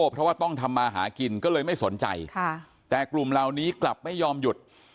เพราะว่าต้องทำมาหากินก็เลยไม่สนใจแต่กลุ่มเหล่านี้กลับไม่ยอมหยุด